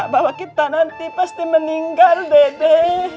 bahwa kita nanti pasti meninggal dede